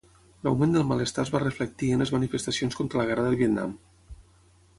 L'augment del malestar es va reflectir en les manifestacions contra la guerra del Vietnam.